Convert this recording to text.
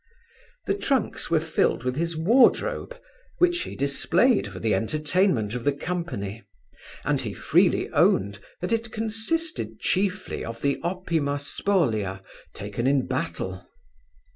The trunks were filled with his wardrobe, which he displayed for the entertainment of the company, and he freely owned, that it consisted chiefly of the opima spolia taken in battle.